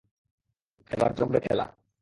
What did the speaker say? এবার জমবে খেলা!